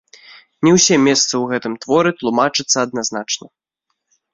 Не ўсе месцы ў гэтым творы тлумачацца адназначна.